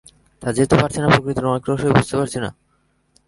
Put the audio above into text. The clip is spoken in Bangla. তা যেহেতু পারছি না, প্রকৃতির অনেক রহস্যই বুঝতে পারছি না।